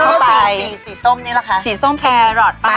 แล้วก็สีส้มนี้ล่ะคะสีส้มแพร่รอดปัก